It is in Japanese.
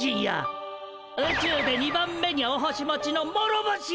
宇宙で２番目にお星持ちの諸星や！